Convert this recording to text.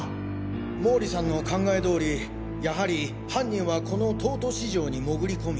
毛利さんの考え通りやはり犯人はこの東都市場に潜り込み。